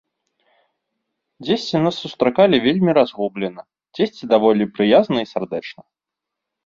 Дзесьці нас сустракалі вельмі разгублена, дзесьці даволі прыязна і сардэчна.